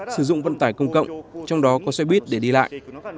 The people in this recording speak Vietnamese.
sử dụng vận tải công cộng trong đó có xe buýt để đi lại